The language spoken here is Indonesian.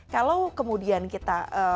kalau kemudian kita